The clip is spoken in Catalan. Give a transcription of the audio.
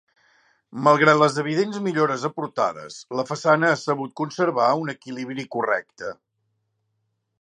Malgrat les evidents millores aportades, la façana ha sabut conservar un equilibri correcte.